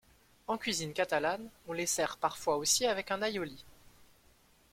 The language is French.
En cuisine catalane, on les sert parfois aussi avec un aïoli.